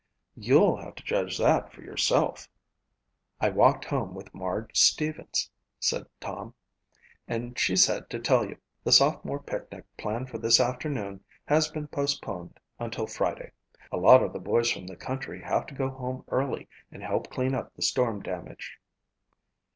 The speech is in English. "You'll have to judge that for yourself." "I walked home with Marg Stevens," said Tom, "and she said to tell you the sophomore picnic planned for this afternoon has been postponed until Friday. A lot of the boys from the country have to go home early and help clean up the storm damage."